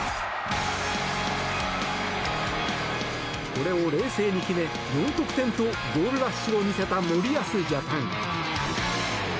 これを冷静に決め４得点とゴールラッシュを見せた森保ジャパン。